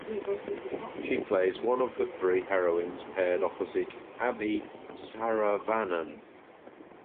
She plays one of the three heroines paired opposite Abi Saravanan.